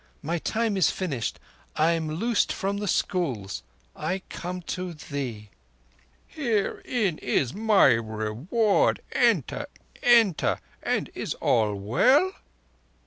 My time is finished. I am loosed from the schools. I come to thee." "Herein is my reward. Enter! Enter! And is all well?"